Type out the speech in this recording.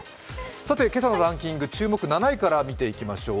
さて、今朝のランキング、注目７位から見ていきましょう。